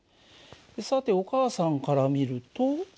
さてお母さんから見ると。